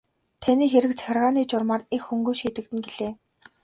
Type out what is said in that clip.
Таны хэрэг захиргааны журмаар их хөнгөн шийдэгдэнэ гэлээ.